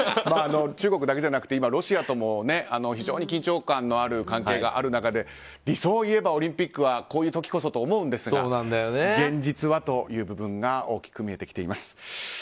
中国だけじゃなくて今、ロシアとも非常に緊張感のある関係がある中で理想を言えばオリンピックはこういう時こそと思うんですが現実はという部分が大きく見えてきています。